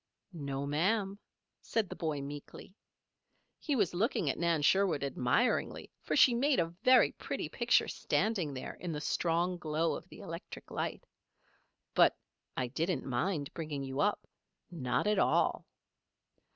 "No, ma'am," said the boy, meekly. He was looking at Nan Sherwood admiringly, for she made a very pretty picture standing there in the strong glow of the electric light. "But I didn't mind bringing you up not at all."